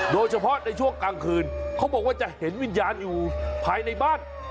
โดยเฉพาะในช่วงกลางคืนเขาบอกว่าจะเห็นวิญญาณอยู่ภายในบ้าน